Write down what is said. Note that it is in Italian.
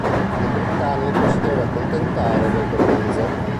Il britannico si deve accontentare del bronzo.